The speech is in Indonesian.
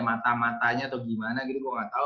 mata matanya atau gimana gitu gue gak tau